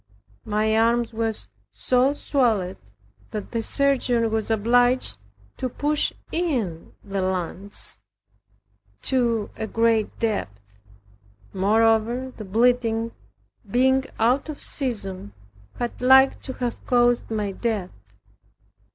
My arms were so swelled that the surgeon was obliged to push in the lance to a great depth. Moreover, the bleeding being out of season had liked to have caused my death.